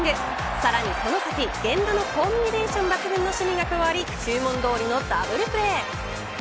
さらに外崎、源田のコンビネーション抜群の守備が加わり注文どおりのダブルプレー。